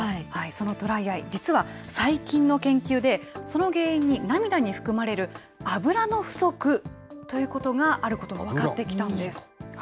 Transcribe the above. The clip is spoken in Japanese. そのドライアイ、実は最近の研究で、その原因に涙に含まれる油の不足ということがあることが分かってきたんです。